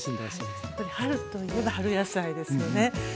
やっぱり春といえば春野菜ですよね。